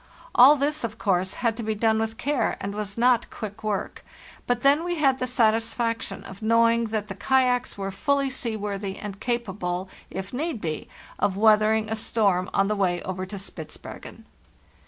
All this, of course, had to be done with care, and was not quick work; but then we had the satisfaction of knowing that the kayaks were fully seaworthy, and capable, if need be, of weathering a storm on the way over to Spitzbergen.